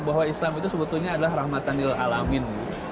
bahwa islam itu sebetulnya adalah rahmatanil alamin